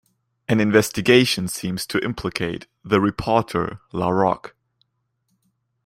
An investigation seems to implicate the reporter, LaRoque.